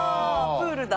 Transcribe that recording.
プールだ。